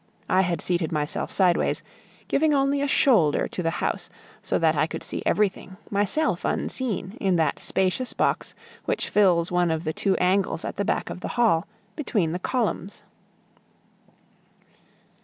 I had seated myself sideways, giving only a shoulder to the house, so that I could see everything, myself unseen, in that spacious box which fills one of the two angles at the back of the hall, between the columns.